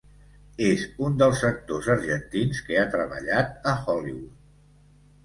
És un dels actors argentins que ha treballat a Hollywood.